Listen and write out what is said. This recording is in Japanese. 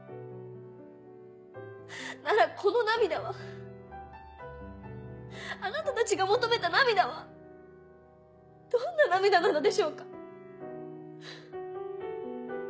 ならこの涙はあなたたちが求めた涙はどんな涙なのでしょうか？